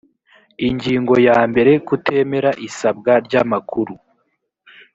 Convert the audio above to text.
ingingo ya mbere kutemera isabwa ry amakuru